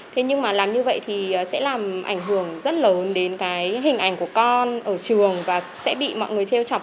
thế nhưng mà làm như vậy thì sẽ làm ảnh hưởng rất lớn đến cái hình ảnh của con ở trường và sẽ bị mọi người treo chọc